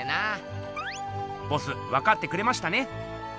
ボスわかってくれましたね？